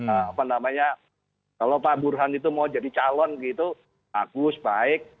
apa namanya kalau pak burhan itu mau jadi calon gitu bagus baik